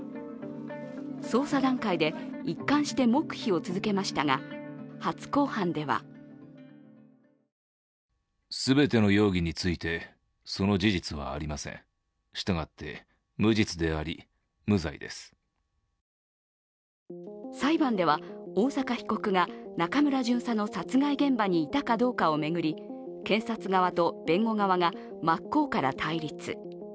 捜査段階で一貫して黙秘を続けましたが初公判では裁判では大坂被告が中村巡査の殺害現場にいたかどうかを巡り、検察側と弁護側が真っ向から対立。